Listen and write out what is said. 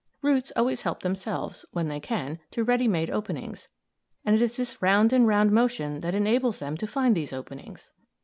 Roots always help themselves, when they can, to ready made openings, and it is this round and round motion that enables them to find these openings.